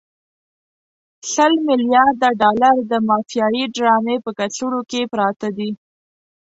سل ملیارده ډالر د مافیایي ډرامې په کڅوړو کې پراته دي.